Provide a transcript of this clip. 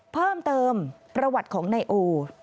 เพิ่มเติมประวัติของนายโอ